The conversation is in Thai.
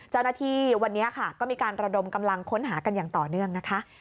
เจ้าหน้าที่วันนี้ค่ะก็มีการระดมกำลังค้นหากันอย่างต่อเนื่องนะคะ